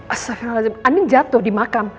astagfirullahaladzim andien jatuh di makam